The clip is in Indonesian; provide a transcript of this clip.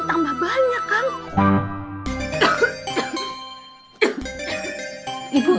tambah banyak kak